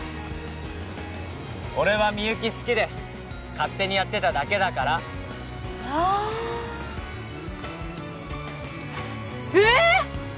俺はみゆき好きで勝手にやってただけだからああえーっ！？